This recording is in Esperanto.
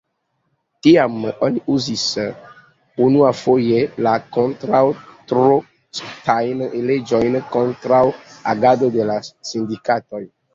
Tiam oni uzis unuafoje la kontraŭ-trostajn leĝojn kontraŭ agado de la sindikatoj.